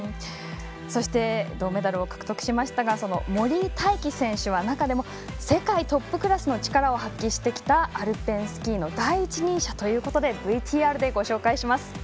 そして、銅メダルを獲得しましたが森井大輝選手は、中でも世界トップクラスの力を発揮してきたアルペンスキーの第一人者ということでＶＴＲでご紹介します。